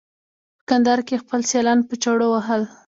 په کندهار کې یې خپل سیالان په چړو وهل.